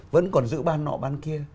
vẫn còn giữ ban nọ ban kia